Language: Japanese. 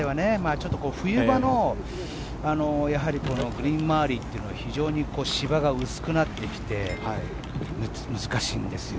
ちょっと冬場のグリーン周りというのは非常に芝が薄くなってきて難しいんですよ。